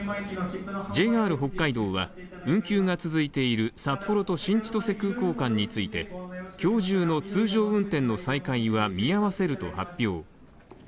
ＪＲ北海道は、運休が続いている札幌と新千歳空港間について今日中の通常運転の再開は見合わせると発表。